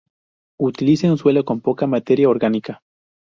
Utilice un suelo con poca materia orgánica.